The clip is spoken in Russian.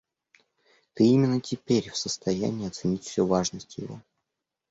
Ты именно теперь в состоянии оценить всю важность его.